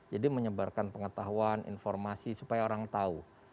jadi menyebarkan pengetahuan informasi supaya orang tahu